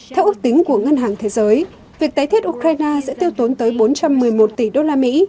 theo ước tính của ngân hàng thế giới việc tái thiết ukraine sẽ tiêu tốn tới bốn trăm một mươi một tỷ đô la mỹ